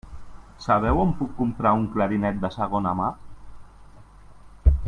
Sabeu on puc comprar un clarinet de segona mà?